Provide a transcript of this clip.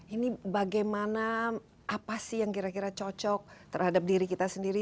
ini bagaimana apa sih yang kira kira cocok terhadap diri kita sendiri